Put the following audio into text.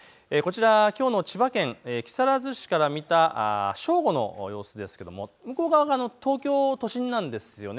きょうの千葉県木更津市から見た正午の様子ですけれども向こう側が東京都心なんですよね。